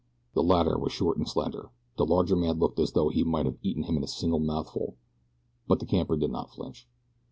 The latter was short and slender. The larger man looked as though he might have eaten him at a single mouthful; but the camper did not flinch.